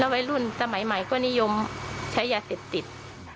วัยรุ่นสมัยใหม่ก็นิยมใช้ยาเสพติด